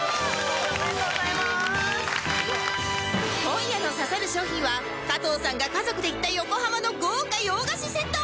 今夜の刺さる商品は加藤さんが家族で行った横浜の豪華洋菓子セット